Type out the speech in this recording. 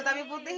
aku sampai putih